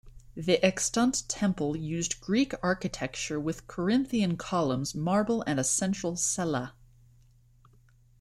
The extant temple used Greek architecture with Corinthian columns, marble, and a central cella.